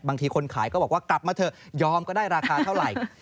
คนขายก็บอกว่ากลับมาเถอะยอมก็ได้ราคาเท่าไหร่